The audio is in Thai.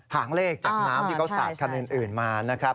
หางเลขจากน้ำที่เขาสาดคันอื่นมานะครับ